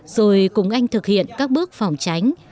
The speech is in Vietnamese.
rồi cùng anh thực hiện các bước phòng tránh